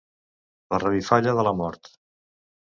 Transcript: La revifalla de la mort.